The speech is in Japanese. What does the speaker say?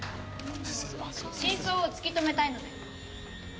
真相を突き止めたいので。